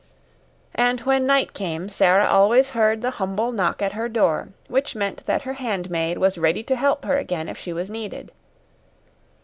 And when night came Sara always heard the humble knock at her door which meant that her handmaid was ready to help her again if she was needed.